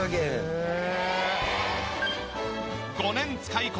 へえ。